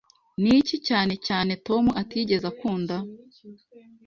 Ni iki, cyane cyane Tom atigeze akunda?